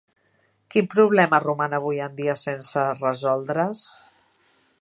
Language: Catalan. Quin problema roman avui en dia sense resoldre's?